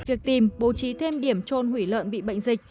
việc tìm bố trí thêm điểm trôn hủy lợn bị bệnh dịch